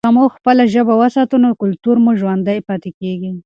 که موږ خپله ژبه وساتو نو کلتور مو ژوندی پاتې کېږي.